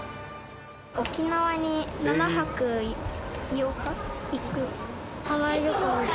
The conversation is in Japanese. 沖縄に７泊８日行く。